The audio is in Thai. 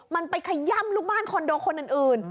มันไปขย้ำลูกบ้านคนอื่น